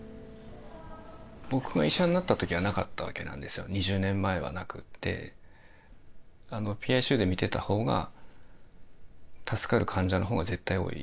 僕が医者になったときはなかったわけなんですよ、２０年前はなくって、ＰＩＣＵで診てたほうが助かる患者のほうが絶対多い。